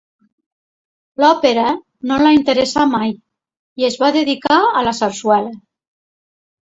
L'òpera no la interessà mai i es va dedicar a la sarsuela.